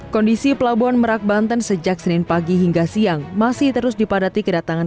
kondisi pelabuhan merak banten sejak senin pagi hingga siang masih terus dipadati kedatangan